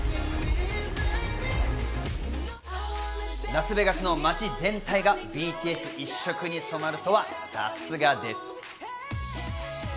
ラスベガスの街全体がＢＴＳ一色に染まるとは、さすがです。